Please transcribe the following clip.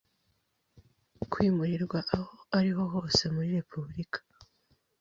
kwimurirwa aho ari ho hose muri Repubulika